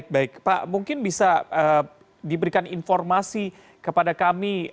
baik pak mungkin bisa diberikan informasi kepada kami